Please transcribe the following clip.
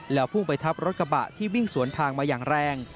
แล้วพุ่งไปทับรถกระบะที่วิ่งสวนทางมาอย่างแรง